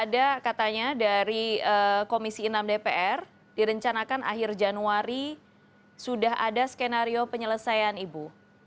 ada katanya dari komisi enam dpr direncanakan akhir januari sudah ada skenario penyelesaian ibu